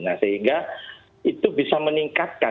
nah sehingga itu bisa meningkatkan